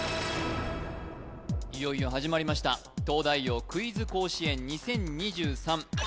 いよいよ始まりました「東大王クイズ甲子園２０２３